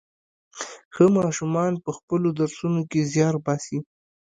ښه ماشومان په خپلو درسونو کې زيار باسي.